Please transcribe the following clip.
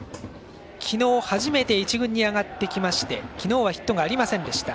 昨日、初めて１軍に上がってきて昨日はヒットがありませんでした。